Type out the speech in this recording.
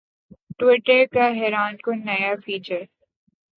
Twitter کا حیران کن نیا فیچر